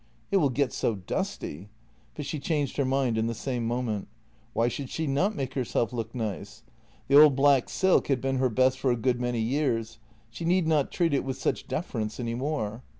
" It will get so dusty "— but she changed her mind in the same moment. Why should she not make herself look nice? The old black silk had been her best for a good many years; she need not treat it with such deference any more.